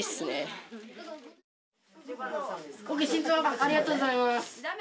ありがとうございます。